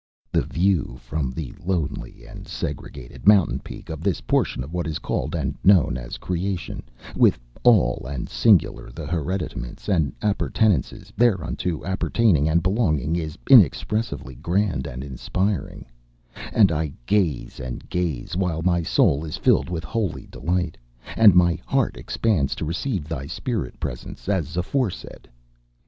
The view from the lonely and segregated mountain peak, of this portion of what is called and known as Creation, with all and singular the hereditaments and appurtenances thereunto appertaining and belonging, is inexpressively grand and inspiring; and I gaze, and gaze, while my soul is filled with holy delight, and my heart expands to receive thy spirit presence, as aforesaid.